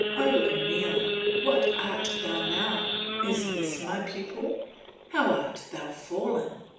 O Emile! what art thou now? Is this my pupil? How art thou fallen!